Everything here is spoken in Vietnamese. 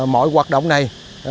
mọi hoạt động này